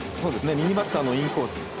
右バッターのインコース。